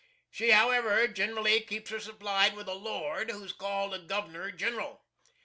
She, however, gin'rally keeps her supplied with a lord, who's called a Gov'ner Gin'ral.